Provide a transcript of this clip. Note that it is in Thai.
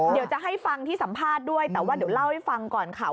เดี๋ยวจะให้ฟังที่สัมภาษณ์ด้วยแต่ว่าเดี๋ยวเล่าให้ฟังก่อนค่ะ